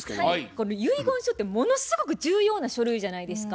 この遺言書ってものすごく重要な書類じゃないですか。